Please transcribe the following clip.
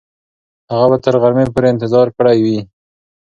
هغه به تر غرمې پورې انتظار کړی وي.